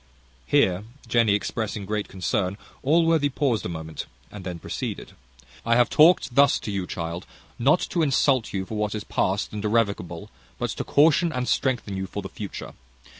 Here Jenny expressing great concern, Allworthy paused a moment, and then proceeded: "I have talked thus to you, child, not to insult you for what is past and irrevocable, but to caution and strengthen you for the future.